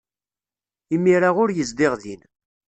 Imir-a ur yezdiɣ din.